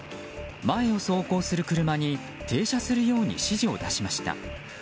前を走行する車に停車するように指示を出しました。